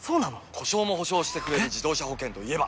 故障も補償してくれる自動車保険といえば？